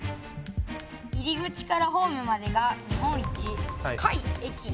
入り口からホームまでが日本一深い駅の距離。